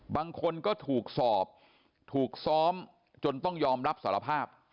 บางคนก็ถูกสอบถูกซ้อมจนต้องยอมรับสารภาพ